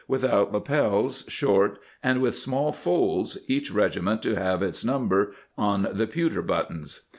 [92 ] Material Needs lapels, short and with small folds, each regiment to have its number on the pewter buttons.